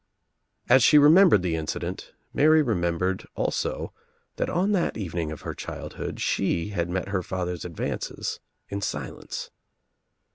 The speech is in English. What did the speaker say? As she remembered the incident Mary remembered also that on that evening of her childhood she had met her father's advances in silence.